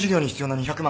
２００万！？